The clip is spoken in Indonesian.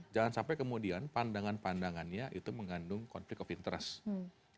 jangan sampai kemudian pandangan pandangannya itu mengandung konflik of interest